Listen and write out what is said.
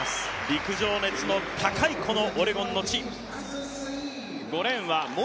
陸上熱の高い、このオレゴンの地。